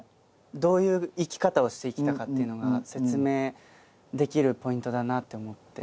どういう生き方をしてきたかっていうのが説明できるポイントだなと思って。